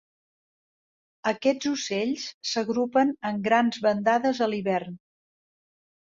Aquests ocells s'agrupen en grans bandades a l'hivern.